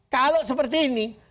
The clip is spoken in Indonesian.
kalau seperti ini